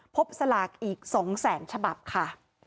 สลากอีก๒แสนฉบับค่ะ